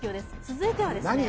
続いてはですね